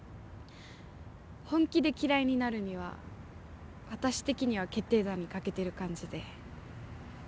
本気で嫌いになるには私的には決定打に欠けてる感じで。